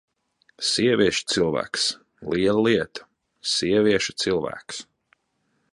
Sievieša cilvēks! Liela lieta: sievieša cilvēks!